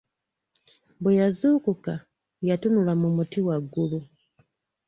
Bwe yazuukuka, yatunula mu muti waggulu.